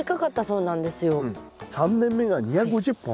３年目が２５０本？